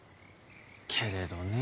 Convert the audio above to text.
けれどねえ。